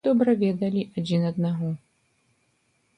Мы ўсе добра ведалі адзін аднаго.